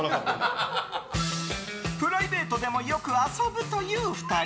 プライベートでもよく遊ぶという２人。